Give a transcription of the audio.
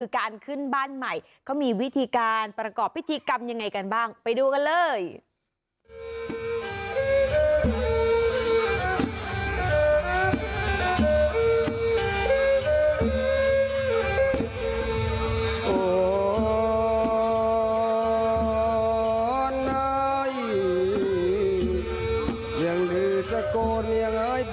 การขึ้นบ้านใหม่เขามีวิธีการประกอบพิธีกรรมยังไงกันบ้างไปดูกันเลย